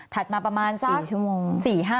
ถัดมาประมาณ๔ชั่วโมง